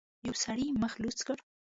يوه سړي مخ لوڅ کړ.